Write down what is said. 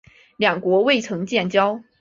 两国未曾建交。